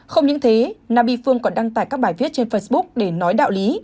không những thế nabi phương còn đăng tải các bài viết trên facebook để nói đạo lý